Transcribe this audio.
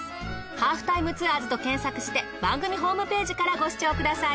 『ハーフタイムツアーズ』と検索して番組ホームページからご視聴ください。